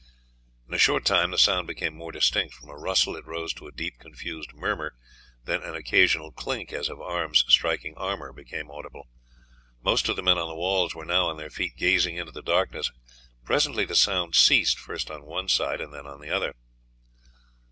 In a short time the sound became more distinct; from a rustle it rose to a deep confused murmur, then an occasional clink as of arms striking armour became audible. Most of the men on the walls were now on their feet gazing into the darkness. Presently the sound ceased, first on one side and then on another.